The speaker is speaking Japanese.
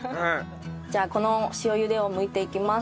じゃあこの塩ゆでをむいていきます。